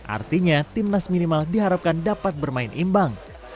artinya tim nas minimal diharapkan dapat bermain imbang